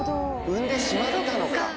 産んでしまったのか。